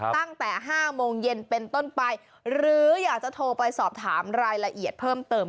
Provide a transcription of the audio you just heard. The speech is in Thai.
ตั้งแต่๕โมงเย็นเป็นต้นไปหรืออยากจะโทรไปสอบถามรายละเอียดเพิ่มเติม